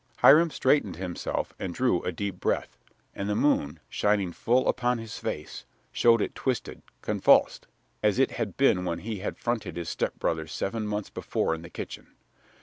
Hiram straightened himself and drew a deep breath, and the moon, shining full upon his face, showed it twisted, convulsed, as it had been when he had fronted his stepbrother seven months before in the kitchen.